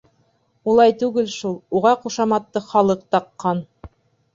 — Улай түгел шул, уға ҡушаматты халыҡ таҡҡан.